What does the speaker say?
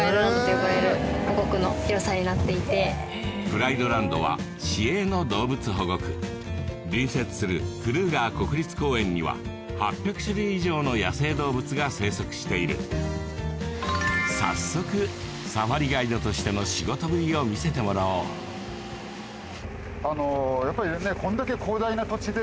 プライドランドは私営の動物保護区隣接するクルーガー国立公園には８００種類以上の野生動物が生息している早速サファリガイドとしての仕事ぶりを見せてもらおうやっぱりですね